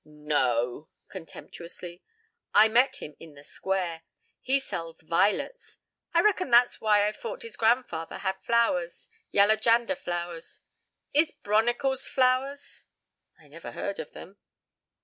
"No o," contemptuously. "I met him in the square. He sells vi'lets. I reckon that's why I fought his grandfather had flowers yaller jander flowers. Is bronicles flowers?" "I never heard of them."